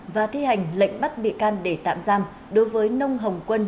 và thi hành lệnh bắt bị can để tạm giam đối với nông hồng quân